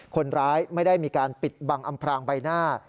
คนร้ายไม่ได้มีการปิดบังอำพรางใบหน้า